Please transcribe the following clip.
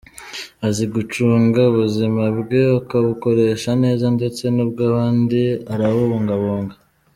Azi gucunga ubuzima bwe akabukoresha neza ndetse n’ubwabandi arabubungabunga.